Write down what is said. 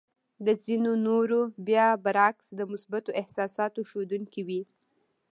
د ځينو نورو بيا برعکس د مثبتو احساساتو ښودونکې وې.